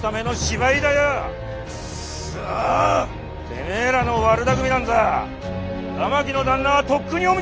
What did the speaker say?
てめえらの悪だくみなんざ八巻の旦那はとっくにお見通しでい！